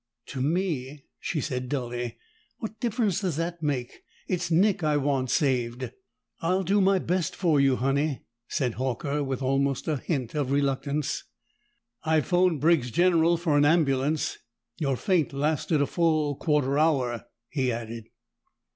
"To me!" she said dully. "What difference does that make? It's Nick I want saved." "I'll do my best for you, Honey," said Horker with almost a hint of reluctance. "I've phoned Briggs General for an ambulance. Your faint lasted a full quarter hour," he added.